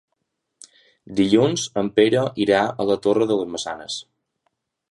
Dilluns en Pere irà a la Torre de les Maçanes.